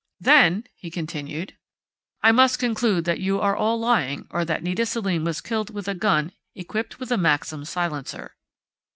"Then," he continued, "I must conclude that you are all lying or that Nita Selim was killed with a gun equipped with a Maxim silencer."